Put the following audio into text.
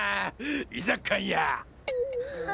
居酒屋。